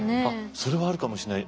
それはあるかもしんない。